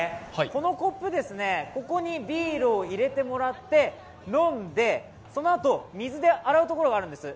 このコップ、ここにビールを入れてもらって飲んで、そのあと水で洗うところがあるんです。